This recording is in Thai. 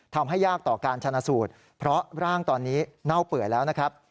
ยากต่อการชนะสูตรเพราะร่างตอนนี้เน่าเปื่อยแล้วนะครับ